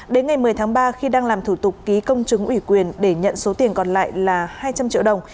đến ngày một mươi tháng ba khi đang làm thủ tục ký công chứng ủy quyền để nhận số tiền còn lại là hai trăm linh triệu đồng